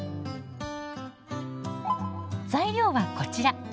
材料はこちら。